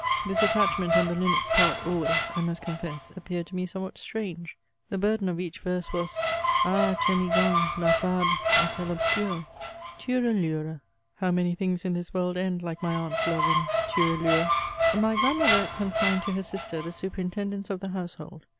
This attachment on the linnet's part always^ I must con fess, appeared to me somewhat strange. The burthen of each verse was :—Ah ! Tr^migon, la fable est^lle obscure ?"" Ture lure." How many things in this world end, like my aunt's love, in ture hire I My grandmother consigned to her sister the superintendence of the household.